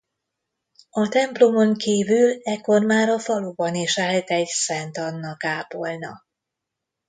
A templomon kívül ekkor már a faluban is állt egy Szent Anna kápolna.